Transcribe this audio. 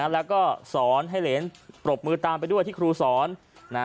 แล้วก็สอนให้เหรนปรบมือตามไปด้วยที่ครูสอน